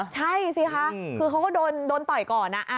ใช่สิคะคือเขาก็โดนต่อยก่อน